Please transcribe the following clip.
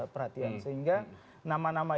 perhatian sehingga nama nama